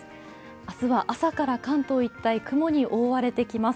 明日は朝から関東一帯、雲に覆われてきます。